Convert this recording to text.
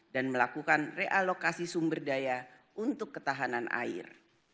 dan melakukan realokasi sumber daya untuk ketahanan air